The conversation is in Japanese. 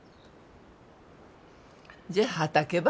じゃあ畑ば。